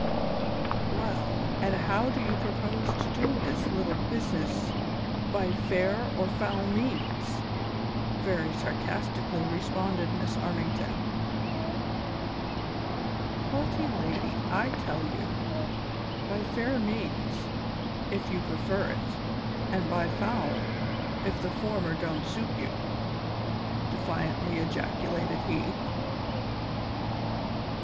"Well, and how do you propose to do this little busi ness, by fair or foul means V " very sarcastically responded Miss Armington. " Haughty lady, I'll tell you ; by fair means, if yoi; pre fer it ; and by foul, if the former don't suit you," defiantly ejaculated he.